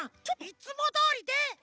いつもどおりで！